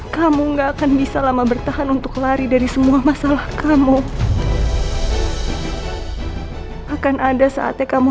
kamu nggak akan bisa lama bertahan untuk lari dari semua masalah kamu akan ada saatnya kamu